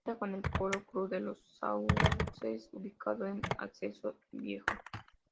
Cuenta con el Polo Club Los Sauces ubicado en Acceso Viejo.